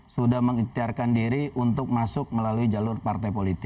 sudah mengiktiarkan diri untuk masuk melalui jalur parah parah